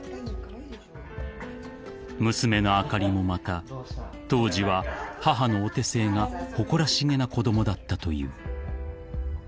［娘のあかりもまた当時は母のお手製が誇らしげな子供だったという］